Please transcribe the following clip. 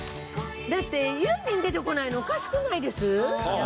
だってユーミン出てこないのおかしくないです？